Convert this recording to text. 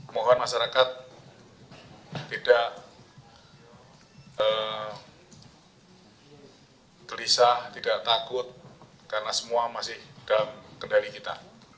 mohon masyarakat tidak gelisah tidak takut karena semua masih dalam kendali kita